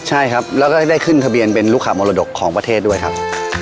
ใช่ครับแล้วก็ได้ขึ้นทะเบียนเป็นลูกค้ามรดกของประเทศด้วยครับ